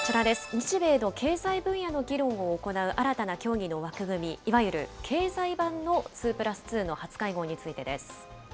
日米の経済分野の議論を行う新たな協議の枠組み、いわゆる経済版の２プラス２の初会合についてです。